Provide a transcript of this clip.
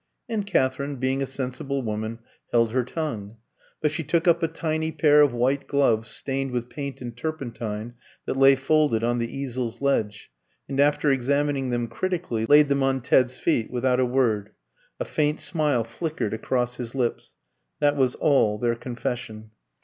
And Katherine, being a sensible woman, held her tongue. But she took up a tiny pair of white gloves, stained with paint and turpentine, that lay folded on the easel's ledge, and after examining them critically, laid them on Ted's feet without a word. A faint smile flickered across his lips. That was all their confession.